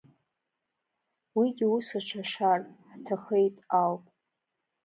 Уигьы ус аҽашар, ҳҭахеит ауп.